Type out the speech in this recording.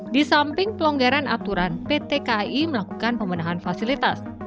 di samping pelonggaran aturan pt kai melakukan pemenahan fasilitas